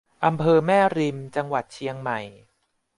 อำเภอแม่ริม จังหวัดเชียงใหม่